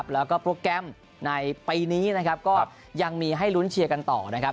แล้วก็โปรแกรมในปีนี้ยังมีให้ลุ้นเชียร์กันต่อ